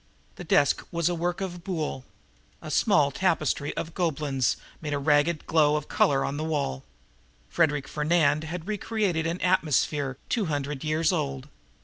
The desk was a work of Boulle. A small tapestry of the Gobelins made a ragged glow of color on the wall. Frederic Fernand had recreated an atmosphere two hundred years old.